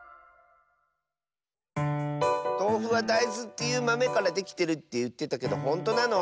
とうふはだいずっていうまめからできてるっていってたけどほんとなの？